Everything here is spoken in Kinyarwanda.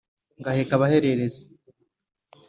ngaheka abahererezi